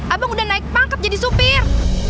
abang udah naik pangkep jadi supir